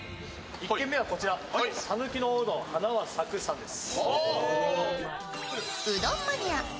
１軒目はこちら、讃岐のおうどん花は咲くさんです